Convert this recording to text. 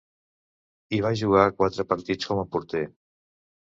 Hi va jugar quatre partits com a porter.